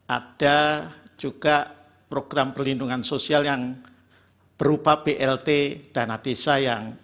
ada juga program perlindungan sosial yang berupa blt dana desa yang